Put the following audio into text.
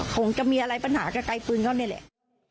คงจะมีอะไรปัญหากับไกลปืนเขานี่แหละ